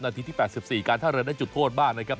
ทีที่๘๔การท่าเรือได้จุดโทษบ้างนะครับ